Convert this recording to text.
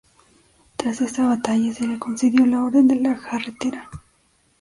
Tras esta batalla se le concedió la Orden de la Jarretera.